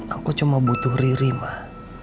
aku cuma butuh riri mah